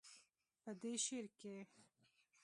پۀ دې شعر کښې